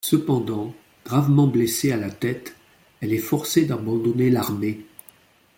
Cependant, gravement blessée à la tête, elle est forcée d'abandonner l'armée.